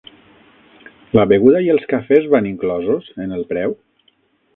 La beguda i els cafès van inclosos en el preu?